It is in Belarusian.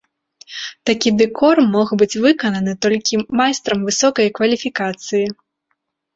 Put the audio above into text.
Такі дэкор мог быць выкананы толькі майстрам высокай кваліфікацыі.